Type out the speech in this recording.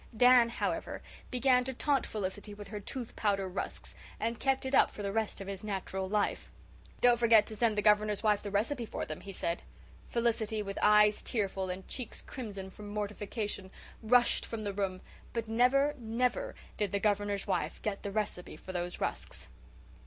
Dan, however, began to taunt Felicity with her tooth powder rusks, and kept it up for the rest of his natural life. "Don't forget to send the Governor's wife the recipe for them," he said. Felicity, with eyes tearful and cheeks crimson from mortification, rushed from the room, but never, never did the Governor's wife get the recipe for those rusks.